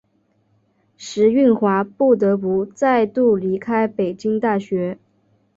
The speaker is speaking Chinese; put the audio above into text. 石蕴华不得不再度离开北京大学。